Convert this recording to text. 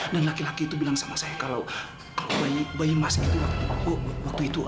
dan laki laki itu bilang sama saya kalau bayi mas itu waktu itu